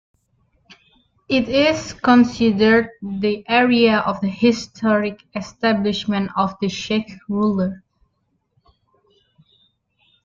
It is considered the area of the historic establishment of the Czech rulers.